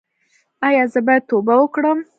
ایا زه باید توبه وکړم؟